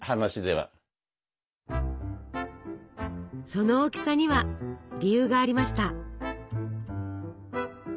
その大きさには理由がありました。